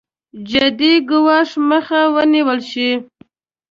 جدي ګواښ مخه ونېول شي.